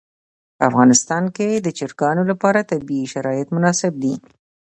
په افغانستان کې د چرګانو لپاره طبیعي شرایط مناسب دي.